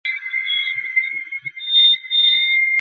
সেটা সত্যি নয়।